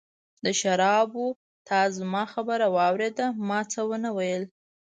د شرابو، تا زما خبره واورېده، ما څه ونه ویل.